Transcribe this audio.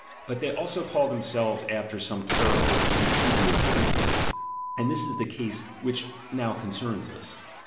But they also call themselves after some characteristic idiosyncrasy ; and this is the case which now concerns us.